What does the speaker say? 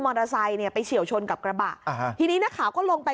อเตอร์ไซค์เนี่ยไปเฉียวชนกับกระบะอ่าฮะทีนี้นักข่าวก็ลงไป